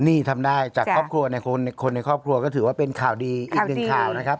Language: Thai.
นี่ทำได้จากครอบครัวในคนในครอบครัวก็ถือว่าเป็นข่าวดีอีกหนึ่งข่าวนะครับ